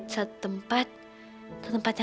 aku mau bebutin fiqh rasanya